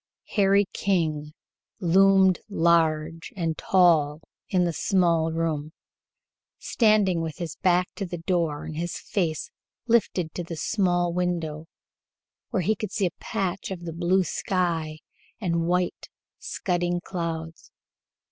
Harry King loomed large and tall in the small room, standing with his back to the door and his face lifted to the small window, where he could see a patch of the blue sky and white, scudding clouds.